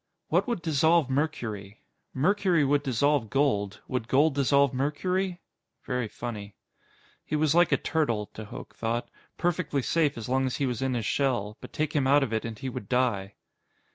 What would dissolve mercury? Mercury would dissolve gold. Would gold dissolve mercury? Very funny. He was like a turtle, de Hooch thought. Perfectly safe as long as he was in his shell, but take him out of it and he would die.